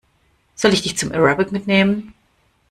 Soll ich dich zum Aerobic mitnehmen?